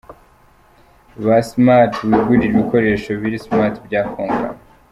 Ba Smart wigurira ibikoresho biri smat bya Konka.